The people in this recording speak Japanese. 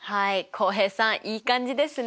浩平さんいい感じですね？